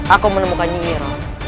aku menemukan nyi iroh